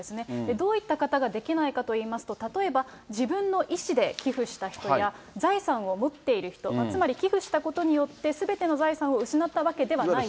どういった方ができないかといいますと、例えば、自分の意思で寄付した人や、財産を持っている人、つまり寄付したことによって、すべての財産を失ったわけではない人。